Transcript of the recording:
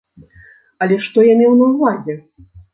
Але што я меў на ўвазе?